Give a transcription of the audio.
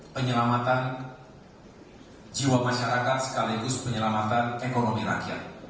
penyelamatan jiwa masyarakat sekaligus penyelamatan ekonomi rakyat